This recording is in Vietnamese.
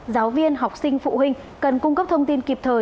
giáo viên học sinh phụ huynh cần cung cấp thông tin kịp thời